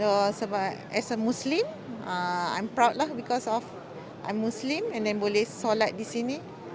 karena sebagai muslim saya bangga karena saya muslim dan boleh sholat di sini